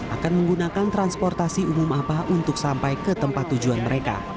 akan menggunakan transportasi umum apa untuk sampai ke tempat tujuan mereka